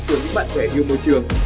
của những bạn trẻ yêu môi trường